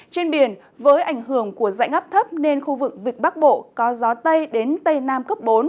trên biển với ảnh hưởng của dãy ngắp thấp nên khu vực vịt bắc bộ có gió tây đến tây nam cấp bốn